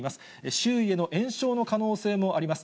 周囲への延焼の可能性もあります。